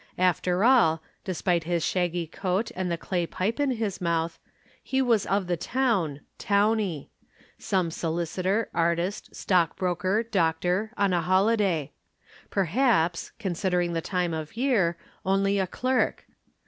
After all, despite his shaggy coat and the clay pipe in his mouth, he was of the town, towny; some solicitor, artist, stockbroker, doctor, on a holiday; perhaps, considering the time of year, only a clerk.